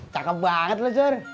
cakep banget lo sur